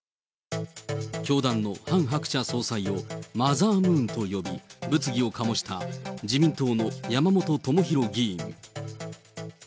教団のハン・ハクチャ総裁をマザームーンと呼び、物議を醸した自民党の山本朋広議員。